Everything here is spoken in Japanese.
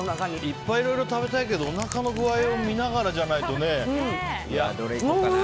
いっぱいいろいろ食べたいけどおなかの具合を見ながらじゃないとね。